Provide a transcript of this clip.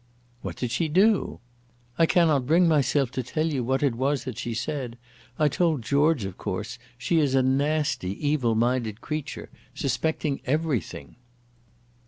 "What did she do?" "I cannot bring myself to tell you what it was that she said. I told George, of course. She is a nasty evil minded creature suspecting everything."